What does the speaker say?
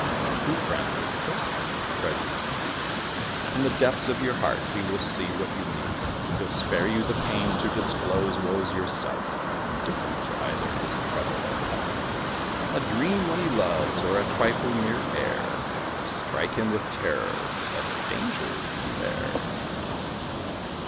A true friend is choicest of treasures indeed; In the depths of your heart he will see what you need: He'll spare you the pain to disclose woes yourself, Indifferent to either his trouble or pelf: A dream, when he loves, or a trifle mere air Will strike him with terror, lest danger be there.